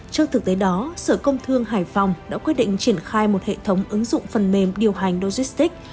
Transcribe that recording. trước thực tế đó sở công thương hải phòng đã quyết định triển khai một hệ thống ứng dụng phần mềm điều hành logistics